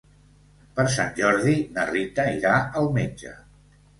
Per Sant Jordi na Rita irà al metge.